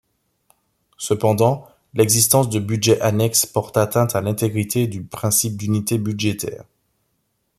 Cependant, l'existence de budgets annexes porte atteinte à l'intégrité du principe d'unité budgétaire.